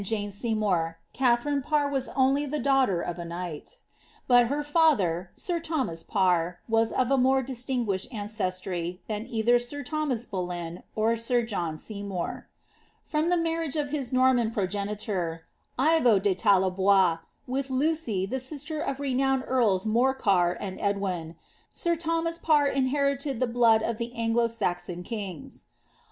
Jane Seymour, Katharine Parr was only the daughter of a knight ; bot her father, sir Thomas Parr, was of a more distinguished ancestry than either sir Thomas Boleyn or sir John Seymour. From the marriage of his Norman progenitor, Ivo de Tallebois, with Lucy, the sister of the renowned earls 3Iorcar and Edwin, sir Thomas Parr inherited the blood of the Anglo Saxon kings.